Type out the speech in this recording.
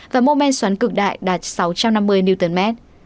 và mô men xoắn cực đại đạt sáu trăm năm mươi mm